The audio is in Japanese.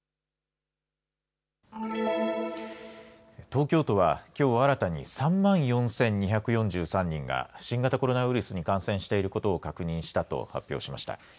東京都は、きょう新たに３万４２４３人が新型コロナウイルスに感染していることを確認したと発表しました。